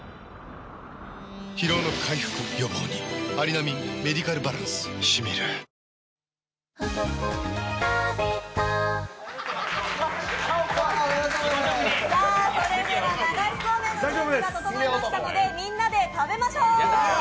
生しょうゆはキッコーマンそれでは流しそうめんの準備が整いましたのでみんなで食べましょう！